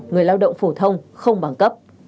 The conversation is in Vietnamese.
người lao động phổ thông không bằng cấp